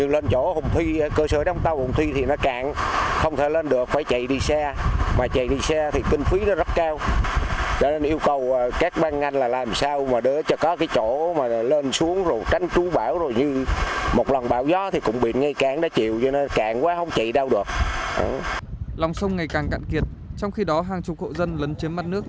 lòng sông ngày càng cạn kiệt trong khi đó hàng chục hộ dân lấn chiếm mắt nước